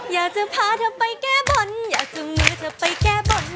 อยากจะพาเธอไปแก้บนอยากจะมือเธอไปแก้บน